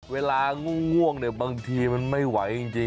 วงเนี่ยบางทีมันไม่ไหวจริง